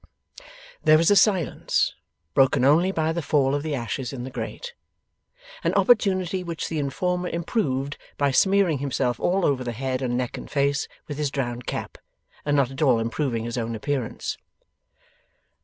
There was a silence, broken only by the fall of the ashes in the grate. An opportunity which the informer improved by smearing himself all over the head and neck and face with his drowned cap, and not at all improving his own appearance.